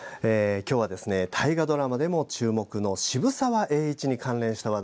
今日は、大河ドラマでも注目の渋沢栄一に関連した話題。